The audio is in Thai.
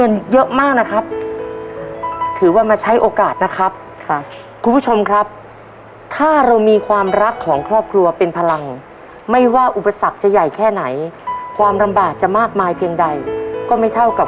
ผมขอให้โชคดีนะครับกับการหมุนกล้องโบนัสในครั้งนี้นะครับ